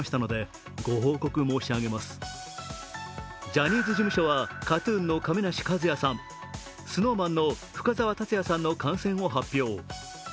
ジャニーズ事務所はＫＡＴ−ＴＵＮの亀梨和也さん、ＳｎｏｗＭａｎの深澤辰哉さんの感染を発表。